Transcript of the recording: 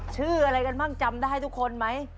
ชื่ออะไรกันบ้างจำได้ทุกคนไหม